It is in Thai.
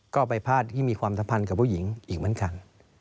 ก็ไปพลาดที่มีความสัมพันธ์กับผู้หญิงอีกเหมือนกัน